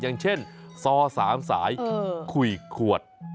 อย่างเช่นซอ๓สายคุยขวด